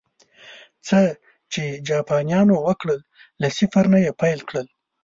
څه چې جاپانيانو وکړل، له صفر نه یې پیل کړل